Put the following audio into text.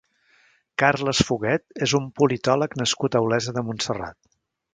Carles Foguet és un politòleg nascut a Olesa de Montserrat.